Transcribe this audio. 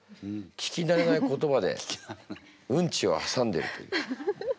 聞きなれない言葉でうんちをはさんでるという。